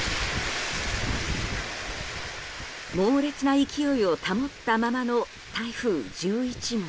猛烈な勢いを保ったままの台風１１号。